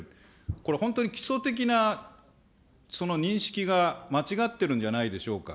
これ本当に基礎的なその認識が間違ってるんじゃないでしょうか。